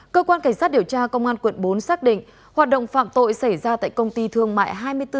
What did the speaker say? cơ quan cảnh sát điều tra công an quận bốn xác định hoạt động phạm tội xảy ra tại công ty thương mại hai mươi bốn h